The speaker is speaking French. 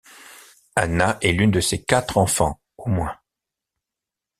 Anna est l'une de ses quatre enfants au moins.